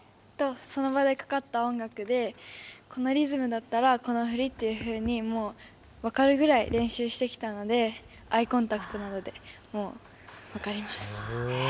その場でかかった音楽でこのリズムだったらこの振りっていうふうに分かるぐらい練習してきたのでアイコンタクトなどで分かります。